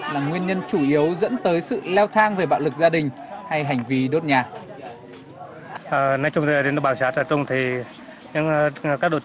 là nguyên nhân chủ yếu dẫn tới sự leo thang về bạo lực gia đình hay hành vi đốt nhà